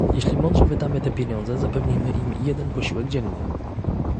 Jeśli mądrze wydamy te pieniądze, zapewnimy im jeden posiłek dziennie